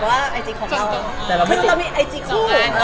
เพราะเรามีไอจีคู่